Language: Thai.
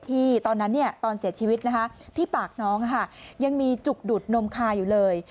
ตอนนั้นตอนเสียชีวิตที่ปากน้องยังมีจุกดูดนมคาอยู่เลย